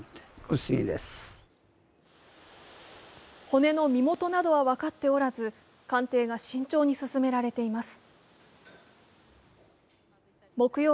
骨の身元などは分かっておらず鑑定が慎重に進められています。